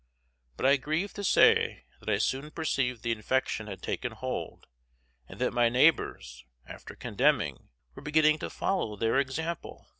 But I grieve to say that I soon perceived the infection had taken hold, and that my neighbors, after condemning, were beginning to follow their example.